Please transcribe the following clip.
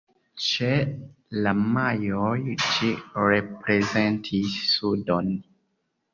Ĉe la majaoj ĝi reprezentis sudon.